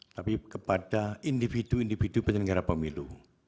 tapi kepada individu individu penyelenggara pemilu